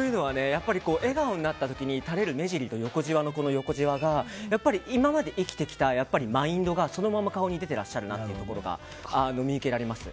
やっぱり笑顔になった時に垂れる目尻と横じわが今まで生きてきたマインドがそのまま顔に出てらっしゃるなというところが見受けられます。